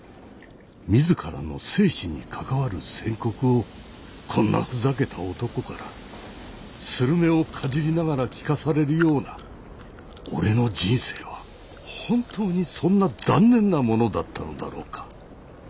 自らの生死に関わる宣告をこんなふざけた男からスルメをかじりながら聞かされるような俺の人生は本当にそんな残念なものだったのだろうか。